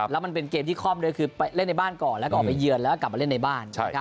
แล้วมันเป็นเกมที่คล่อมด้วยคือไปเล่นในบ้านก่อนแล้วก็ออกไปเยือนแล้วก็กลับมาเล่นในบ้าน